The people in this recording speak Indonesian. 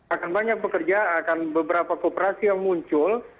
akan banyak pekerja akan beberapa kooperasi yang muncul